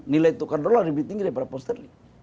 nilai tukar dolar lebih tinggi daripada posterly